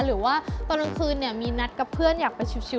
หรือว่าตอนกลางคืนเนี่ยมีนัดกับเพื่อนอยากไปชิว